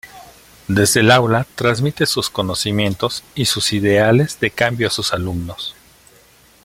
Desde el aula transmite sus conocimientos y sus ideales de cambio a sus alumnos.